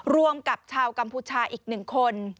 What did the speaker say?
รวมกับชาวกัมพูชาอีก๑คน